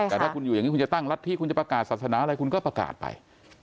แต่ถ้าคุณอยู่อย่างนี้คุณจะตั้งรัฐธิคุณจะประกาศศาสนาอะไรคุณก็ประกาศไป